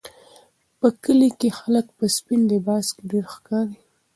په کلي کې خلک په سپین لباس کې ډېر ښکاري.